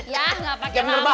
ya gak pake lama